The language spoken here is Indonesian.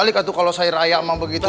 janganlah kalau saya raya sama begitu